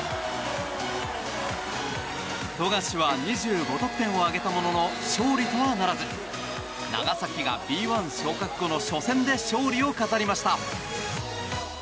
富樫は２５得点を挙げたものの勝利とはならず長崎がＢ１昇格後の初戦で勝利を飾りました。